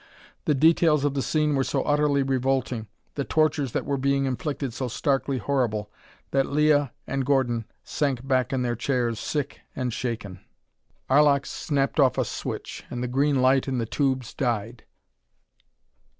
The details of the scene were so utterly revolting, the tortures that were being inflicted so starkly horrible, that Leah and Gordon sank back in their chairs sick and shaken. Arlok snapped off a switch, and the green light in the tubes died.